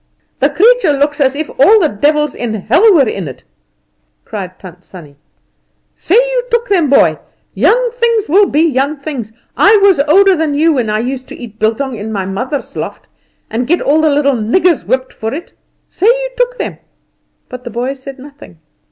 "The creature looks as if all the devils in hell were in it," cried Tant Sannie. "Say you took them, boy. Young things will be young things; I was older than you when I used to eat bultong in my mother's loft, and get the little niggers whipped for it. Say you took them." But the boy said nothing.